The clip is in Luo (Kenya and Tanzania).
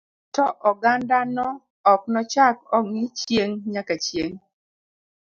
To ogandano, ok nochak ongi chieng nyaka chieng